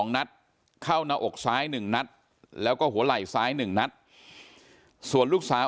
นัดเข้าหน้าอกซ้าย๑นัดแล้วก็หัวไหล่ซ้าย๑นัดส่วนลูกสาว